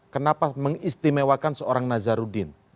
kenapa mengistimewakan seorang nasruddin